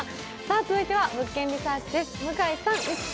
続いては「物件リサーチ」です。